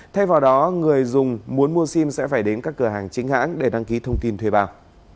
thay vào đó người dùng muốn mua sim sẽ phải đến các cửa hàng chính hãng để đăng ký thông tin thuê bao